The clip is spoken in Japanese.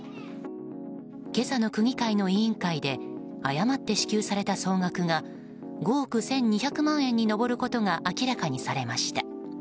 今朝の区議会の委員会で誤って支給された総額が５億１２００万円に上ることが明らかにされました。